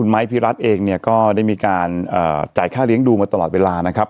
ไม้พิรัตน์เองเนี่ยก็ได้มีการจ่ายค่าเลี้ยงดูมาตลอดเวลานะครับ